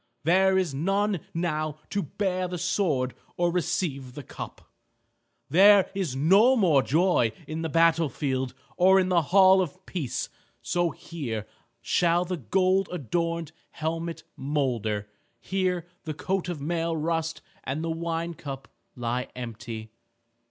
There is none now to bear the sword or receive the cup. There is no more joy in the battle field or in the hall of peace. So here shall the gold adorned helmet molder, here the coat of mail rust and the wine cup lie empty."